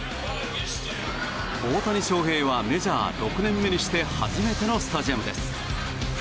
大谷翔平はメジャー６年目にして初めてのスタジアムです。